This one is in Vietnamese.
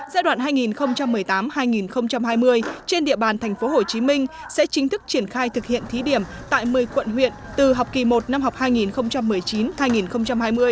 giai đoạn hai nghìn một mươi tám hai nghìn hai mươi trên địa bàn tp hcm sẽ chính thức triển khai thực hiện thí điểm tại một mươi quận huyện từ học kỳ một năm học hai nghìn một mươi chín hai nghìn hai mươi